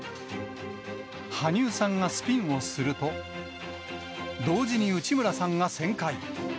羽生さんがスピンをすると、同時に内村さんが旋回。